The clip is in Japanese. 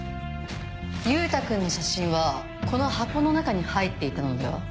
優太君の写真はこの箱の中に入っていたのでは？